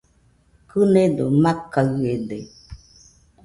Kɨnedo makaɨede